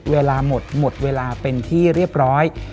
เวลาหมดหมดเวลาเป็นที่เรียบร้อย